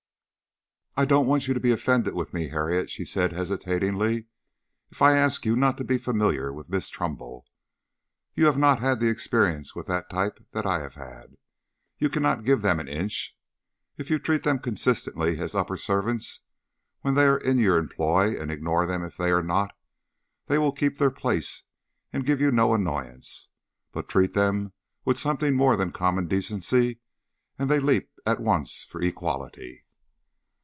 "I don't want you to be offended with me, Harriet," she said hesitatingly, "if I ask you not to be familiar with Miss Trumbull. You have not had the experience with that type that I have had. You cannot give them an inch. If you treat them consistently as upper servants when they are in your employ, and ignore them if they are not, they will keep their place and give you no annoyance; but treat them with something more than common decency and they leap at once for equality."